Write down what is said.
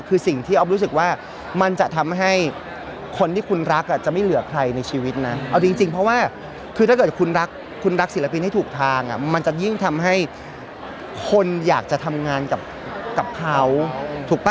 คือถ้าเกิดคุณรักสิรปินให้ถูกทางอ่ะมันจะยิ่งทำให้คนอยากกับเขาถูกป่ะ